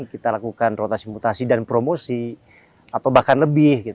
kita lakukan rotasi mutasi dan promosi atau bahkan lebih